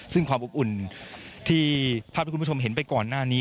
ซึ่งความอบอุ่นที่ภาพที่คุณผู้ชมเห็นไปก่อนหน้านี้